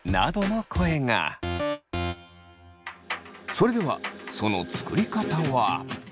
それではその作り方は。